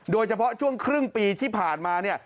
โดยเฉพาะช่วงครึ่งปีที่ผ่านมาเนี่ย